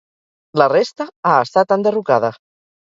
La resta ha estat enderrocada.